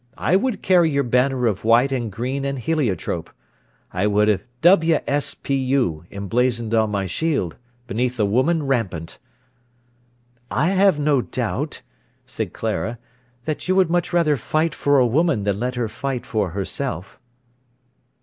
I would carry your banner of white and green and heliotrope. I would have 'W.S.P.U.' emblazoned on my shield, beneath a woman rampant." "I have no doubt," said Clara, "that you would much rather fight for a woman than let her fight for herself."